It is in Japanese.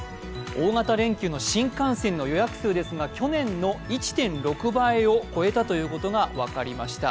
大型連休の新幹線の予約数ですが去年の１．６倍を超えたということが分かりました。